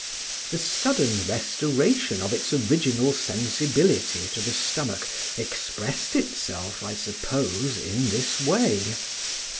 The sudden restoration of its original sensibility to the stomach expressed itself, I suppose, in this way.